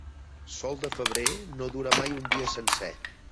Sol de febrer, no dura mai un dia sencer.